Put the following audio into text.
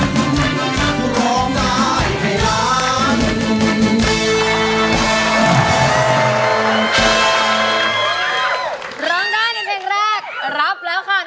๕๐๐๐บาทครับ